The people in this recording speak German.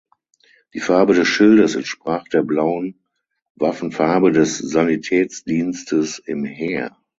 Die Farbe des Schildes entsprach der blauen Waffenfarbe des Sanitätsdienstes im Heer.